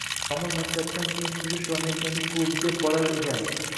Komil maktabdan keyin suzish va merganlik klubiga borar ekan